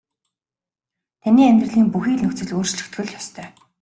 Таны амьдралын бүхий л нөхцөл өөрчлөгдөх л ёстой.